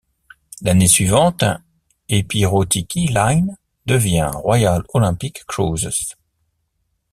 L’année suivante, Epirotiki Lines devient Royal Olympic Cruises.